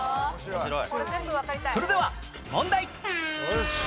それでは問題